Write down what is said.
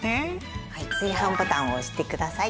炊飯ボタンを押してください。